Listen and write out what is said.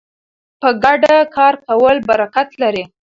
په ګډه کار کول برکت لري.